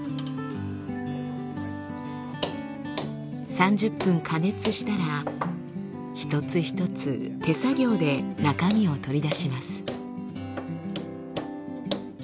３０分加熱したら一つ一つ手作業で中身を取り出します。